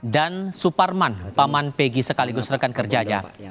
dan suparman paman pegi sekaligus rekan kerjanya